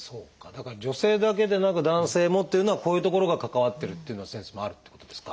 だから女性だけでなく男性もっていうのはこういうところが関わってるっていうのはあるっていうことですか？